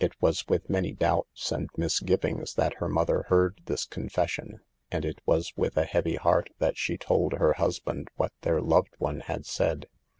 It was with many doubts and misgivings that the mother heard this confession, and it was with a heavy heart that she told her hus band what their loved one had said.